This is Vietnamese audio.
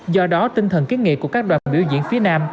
do đó tinh thần kiến nghị của các đoàn biểu diễn phía nam